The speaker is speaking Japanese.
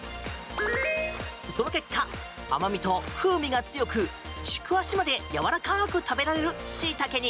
その結果、甘味と風味が強く軸足までやわらかく食べられるシイタケに。